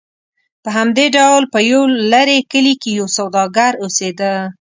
په همدې ډول په یو لرې کلي کې یو سوداګر اوسېده.